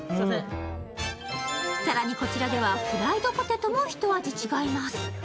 更にこちらではフライドポテトもひと味違います。